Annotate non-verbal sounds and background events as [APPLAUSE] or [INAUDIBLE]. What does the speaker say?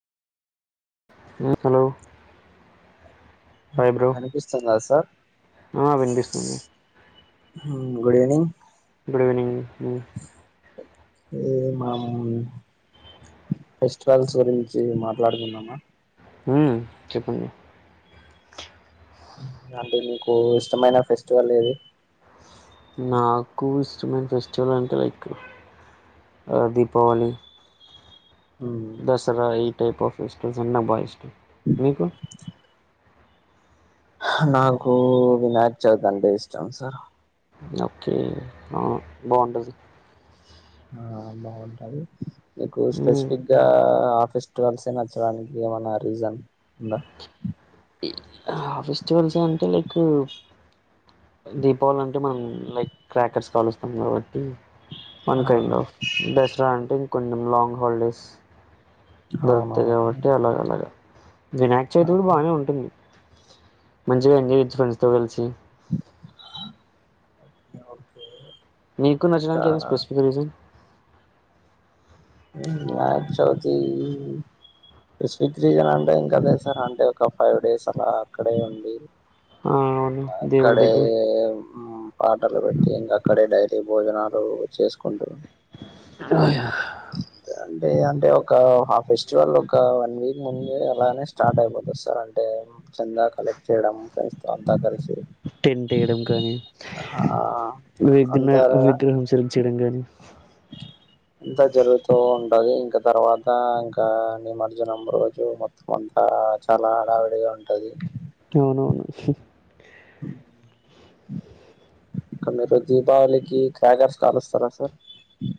మ్మ్ hello hi bro అనిపిస్తుందా సా ఆ వినిబిస్తుంది హ్మ్ గుడీవినింగ్ గుడ్ ఈవినింగ్ మ్మ్ ఏ మమ్ ఫెస్టివల్స్ గురించి మాట్లాడుకుందామా హ్మ్ చెప్పండి అంటే మీకు ఇష్టమైన ఫెస్టివల్ ఏది నాకు ఇష్టమైన ఫెస్టివల్ అంటే లైక్ ఆ దీపావళి దసరా ఈ టైప్ ఆఫ్ ఫెస్టివల్స్ అంటే నాకు బా ఇష్టం మీకు నాకు వినాయక చవిద అంటే ఇష్టం సార్ ఓకే ఆ బాగుంటది ఆ బాగుంటది మీకు మ్మ్ స్పెసిఫిక్ గా ఫెస్టివల్సే నచ్చడానికి ఏమన్నా రీజన్ ఉందా ఆ ఫెస్టివల్స్ అంటే లైక్ దీపావళి అంటే మనం లైక్ క్రాకర్స్ కాలుస్తాం కాబట్టి వన్ కైండ్ ఆఫ్ దసరా అంటే ఇంకొంచెం లాంగ్ హాల్డేస్ దొరుకుతాయి అవునవును గావట్టి అలాగలాగ వినాయక్ చవితి కూడా బానే ఉంటుంది మంచిగా ఎంజాయ్ చైచ్చు ఫ్రెండ్స్ తో కలిసి ఓకే మీకు ఇంకా నచ్చడానికి ఏం స్పెసిఫిక్ రీజన్ నా చౌతి ఈ స్విగ్రీజన్ అంటే ఇంకదే సార్ అంటే ఒక ఫైవ్ డేస్ అలా అక్కడే ఉండి ఆ అవును దేవుడి అక్కడే దగ్గర మ్ పాట పెట్టి ఇంక అక్కడే డైరీ భోజనాలు చేసుకుంటూ [INAUDIBLE] అంటే అంటే ఒక ఫెస్టివల్ ఒక వన్ వీక్ ముందే అలానే స్టార్ట్ అయిపోతది సార్ అంటే చెందా కలెక్ట్ చేయడం ఫ్రెండ్స్ తో అంతా కలిసి టెం ఎయిడం కానీ ఆ విఘ్న అంతా విగ్రహం సెలెక్ట్ చేయడం కానీ [INAUDIBLE] ఇంత జరుగుతూ ఉంటది ఇంకా తర్వాత ఇంకా నిమజ్జనం రోజు మొత్తం అంతా ఆ చాలా హాడావిడిగా ఉంటది అవునవును [INAUDIBLE] ఇక మీరు దీపావళికి క్రాగర్స్ కాలుస్తారా సార్